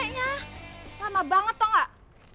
kayaknya lama banget toh gak